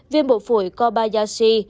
viên bộ phổi kobayashi